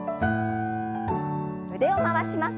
腕を回します。